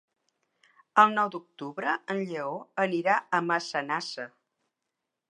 El nou d'octubre en Lleó anirà a Massanassa.